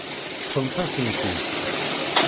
Ṭṭfemt-asen-tt-id.